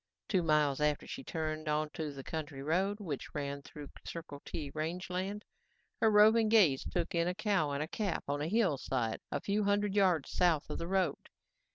Two miles after she turned onto the county road, which ran through Circle T range land, her roving gaze took in a cow and calf on a hillside a few hundred yards south of the road.